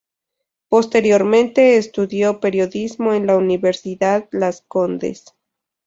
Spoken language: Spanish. Posteriormente estudió periodismo en la Universidad Las Condes.